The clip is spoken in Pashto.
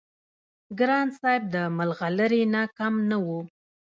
ګران صاحب د ملغلرې نه کم نه وو-